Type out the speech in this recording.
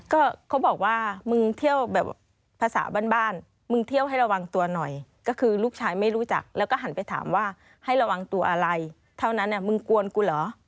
ก็เขาบอกว่ามึงเที่ยวแบบภาษาบ้านบ้านมึงเที่ยวให้ระวังตัวหน่อยก็คือลูกชายไม่รู้จักแล้วก็หันไปถามว่าให้ระวังตัวอะไรเท่านั้นมึงกวนกูเหรอ